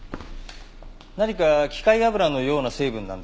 何か機械油のような成分なんですが。